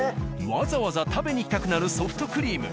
わざわざ食べに来たくなるソフトクリーム。